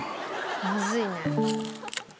まずいね。